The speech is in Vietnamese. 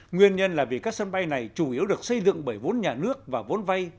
nguyên nhân là vì các sân bay này chủ yếu được xây dựng bởi vốn nhà nước và vốn vay